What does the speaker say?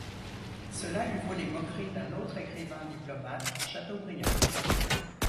Cela lui vaut les moqueries d'un autre écrivain diplomate, Chateaubriand.